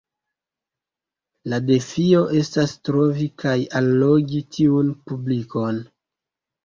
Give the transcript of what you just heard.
La defio estas trovi kaj allogi tiun publikon.